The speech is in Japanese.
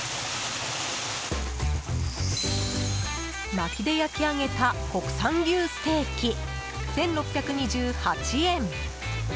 まきで焼き上げた国産牛ステーキ１６２８円。